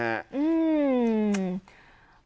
อื้ม